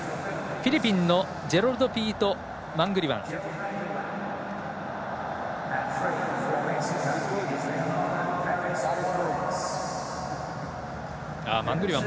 フィリピンのジェロルドピート・マングリワン。